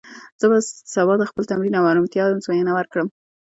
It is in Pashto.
زه به سبا د خپل تمرکز او ارامتیا ازموینه وکړم.